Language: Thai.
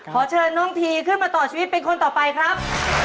ขอเชิญน้องทีขึ้นมาต่อชีวิตเป็นคนต่อไปครับ